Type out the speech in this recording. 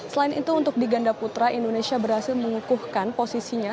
selain itu untuk di ganda putra indonesia berhasil mengukuhkan posisinya